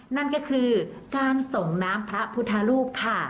นั่นก็คือการส่งน้ำพระพุทธรูปค่ะ